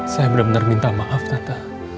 saya benar benar minta maaf tata